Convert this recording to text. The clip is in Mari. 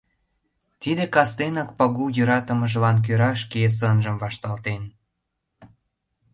Тиде кастенак Пагул йӧратымыжлан кӧра шке сынжым вашталтен.